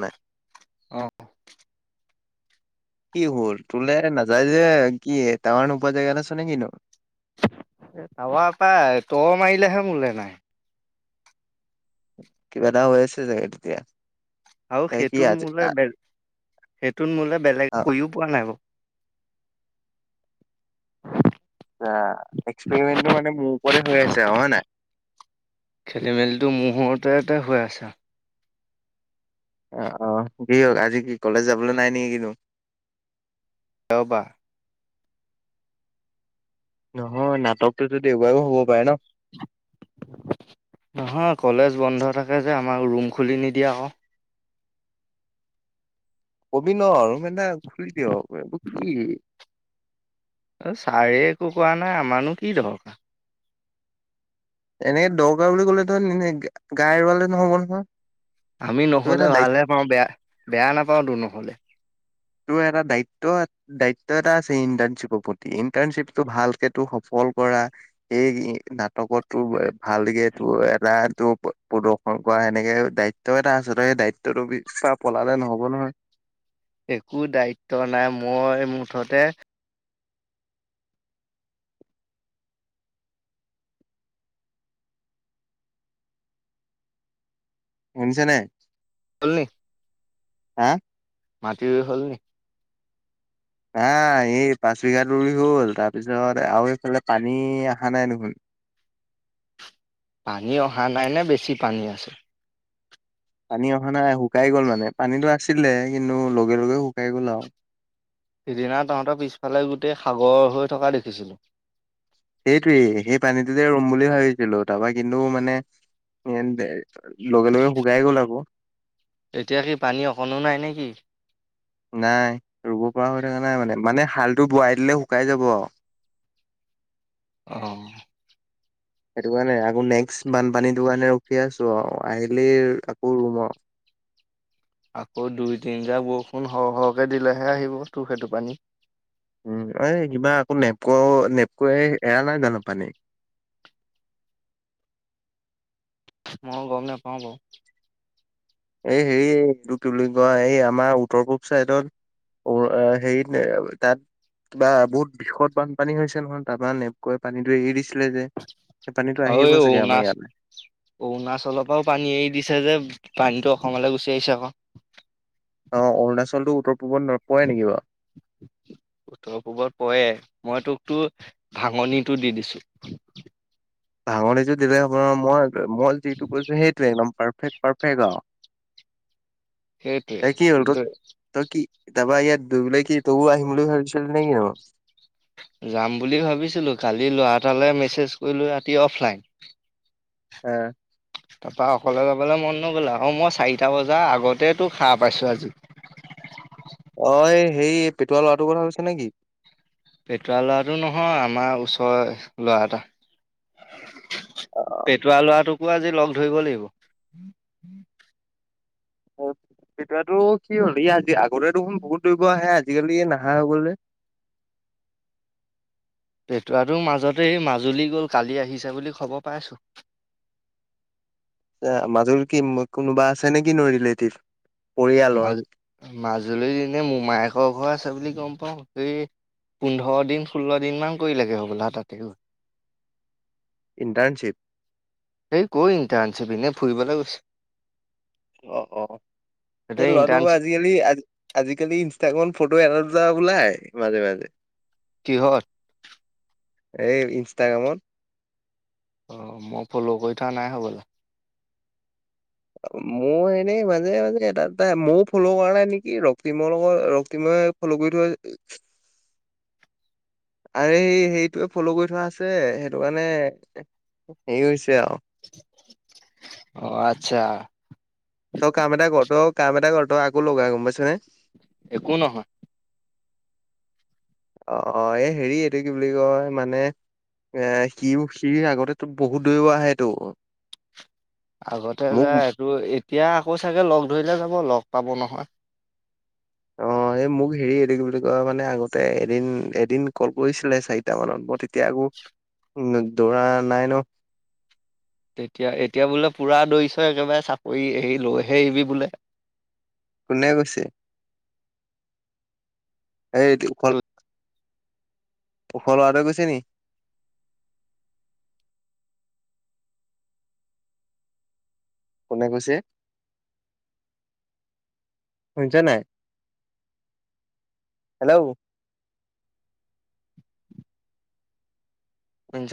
নাই অ'। কি হ'ল তোলে নাযায় যে, কি টাৱাৰ নোপোৱা জেগাত আছে নে কিনো? এ টাৱাৰ পাই, তই মাৰিলেহে মোলৈ নাই। কিবা এটা হৈ আছে চাগে তেতিয়া। আৰু এ কি সেইটোত আজি মোলে [unintelligible] সেইটোত মোলে বেলেগ কৰিও পোৱা নাই বাৰু। আহ, এক্সপেৰিমেণ্টটো মানে মোৰ ওপৰতে হৈ আছে আৰু হয় নাই? খেলিমেলিটো [unintelligible] হৈ আছে আৰু। অ অ। যিহওক, আজি কি কলেজ যাবলৈ নাই নে কিনো? [unintelligible] নহয় নাটকটো দেওবাৰেওঁ হ'ব পাৰে ন। নহয়, কলেজ বন্ধ থাকে যে। আমাক ৰুম খুলি নিদিয়ে আক। কবি ন' ৰুম এটা খুলি দিয়ক [unintelligible] অ' ছাৰে একো কোৱা নাই, আমাৰনো কি দৰকাৰ। এনেকে দৰকাৰ বুলি ক'লে [unintelligible] গাই উৰুৱালে নহ'ব নহয়। আমি তোৰ নহলে এটা দায়িত্ব ভালহে পাওঁ, বেয়া বেয়া নাপাওতো নহলে। তোৰ এটা দায়িত্ব দায়িত্ব এটা আছে, ইণ্টাৰ্ণশ্বিপৰ প্ৰতি। ইণ্টাৰ্ণশ্বিপটো ভালকে তোৰ সফল কৰা, সেই নাটকতটো ভালকে তোৰ এটা প্ৰদৰ্শন কৰা, সেনেকে দায়িত্ব এটা আছে তই সেই দায়িত্বটো পা পলালে নহ'ব নহয়। একো দায়িত্ব নাই। মই মুঠতে, শুনিছে নাই? হল নি? হা? মাটি ৰুই হল নি? হা, এই পাঁচ বিঘাটো ৰুই হল, তাৰপিছত আৰু এইফালে পানী আহা নাই দেখোন। পানী অহা নাই নে? বেছি পানী আছে। পানী অহা নাই, শুকাই গ'ল মানে। পানীটো আছিলে কিন্তু লগে লগে শুকাই গ'ল আওঁ। সিদিনা তহঁতৰ পিছফালে গোটেই সাগৰ হৈ থকা দেখিছিলো। সেইটোৱেই, সেই পানীটোতে ৰুম বুলি ভাবিছিলো। তাৰপা কিন্তু মানে, [unintelligible] লগে লগে শুকাই গল আকৌ। এতিয়া কি পানী অকণো নাই নেকি? নাই ৰুব পৰা হৈ থকা নাই মানে, মানে হালটো বোৱাই দিলে শুকাই যাব আৰু। [inaudible] অ'। [inaudible] সেইটো কাৰণে আকৌ নেক্সট বানপানীটো কাৰণে ৰখি আছো আৰু আহিলি আকৌ ৰুম আৰু [inaudible] আকৌ দুই তিনিটা বৰষুণ সৰ সৰহকে দিলেহে আহিব তোৰ সেইটো পানী। উম এই কিবা আকৌ নেপক- নেপক এৰা নাই জান পানী। [inaudible] মই গম নাপাওঁ বাৰু। এই হেৰি, এইটো কি বুলি কোৱা এই আমাৰ উত্তৰ পূব চাইদত অ সেই [unintelligible] বা বহুত বিদ বানপানী হৈছে নহয়, তাৰপা নেপকৈ পানীটো এৰি দিছে ছিল যে, সেই পানীতটো আৰু আহিব এই চাগে আমাৰ অৰুণাচ ইয়াত। অৰুণাচলৰ পৰাও পানী এৰি দিছে যে, পানীতটো অসমলৈ গুচি আহিছে আকৌ। আহ' অৰুণাচলটো উত্তৰ পূবত নপৰে নেকি বা উত্তৰ পূবত পৰে, মই তোকতো ভাঙনটো দি দিছো। ভাঙনটো দিলে আপোনাৰ মই মই যিটো কৈছো, সেইটোয়ে একদম পাৰ ফে পাৰফেক সেইটোৱে, কি কিন্তু [unintelligible] তাৰপা ইয়াত দৌৰিবলৈ কি তইও আহিম বুলি ভাবিছিলি নে কি ন? যাম বুলি ভাবিছিলোঁ, কালি ল'ৰা এটালৈ মেছেজ কৰিলোঁ ৰাতি অফলাইন। উম। তাৰপা অকলে যাবলৈ মন নগ'ল আৰু মই চাৰিটা বজাৰ আগতে তো হাৰ পাইছো আজি অ এ সেই পেটুৱা ল'ৰাটোৰ কথা কৈছে নে কি? পেটুৱা ল'ৰাটো নহয়, আমাৰ ওচৰৰে ল'ৰা এটা। অ', পেটুৱা লৰাটোকো আজি লগ ধৰিব লাগিব। পেটুৱাটো কি হ'ল? ই আজি- আগতে দেখোন বহুত দৌৰিব আহে, আজিকালি নাহ হে বোলে। পেটুৱাটো মাজতে মাজুলী গ'ল, কালি আহিছে বুলি খবৰ পাইছো। [inaudible] মাজুলিত কি কোনোবা আছে নে কি নো ৰিলেটিভ? মা পৰিয়ালৰ মাজুলীত এনে মোমায়েকৰ ঘৰ আছে বুলি গম পাও। এই পোন্ধৰ দিন ষোল্ল দিন মান কৰিলেগে হ'বলা তাতে ইণ্টাৰ্ণশ্বীপ। এই ক'ৰ ইন্টাৰ্ণশ্বিপ? এনে ফুৰিবলে গৈছে। অ, অ সেই এতিয়া ল'ৰাটো ইণ্টাৰ্ণশ্বিপ আজিকালি আজিকালি ইনষ্টাগ্ৰ ফটো এটা দুটা ওলাই মাজে মাজে। কিহত? এই ইনষ্টাগ্ৰামত। অ মই ফল' কৰি থোৱা নাই হ'বলা! মোৰ এনেই, মাজে মাজে এটা দুটা মই ফল' কৰা নাই নেকি ৰক্তিমৰ লগত ৰক্তিমৰ ফল কৰি থোৱা আৰে সেইটোৱে ফল' কৰি থোৱা আছে, সেইটো কাৰণে হেৰি হৈছে আৰু। অ আচ্ছা। তই কাম এটা কৰ, তই কাম এটা কৰ, তই আকৌ লগা গম পাইছ নে? একো নহয়। অ অ' এই হেৰি এইটো কি বুলি কয় মানে এ সিও সি আগতো বহুত দৌৰিব আহেটো। আগতে মোক যে এইটো এতিয়া আকৌ চাগে লগ ধৰিলে যাব লগ পাব নহয় অ এই মোক হেৰিটো বুলি কয় মানে আগতে এদিন এদিন কল কৰিছিলে চাৰিটা মানত মই তেতিয়া আকৌ উ দৌৰা নাই ন তেতিয়া এতিয়া বোলে পুৰা দৌৰিছ একেবাৰে চাকৰি হেৰি লৈ হে এৰিবি বোলে কোনে কৈছে এইটো ফল বোলে ওখ লৱাটো গৈছে নি কোনে কৈছে শুনিছ নাই হেল্ল' উম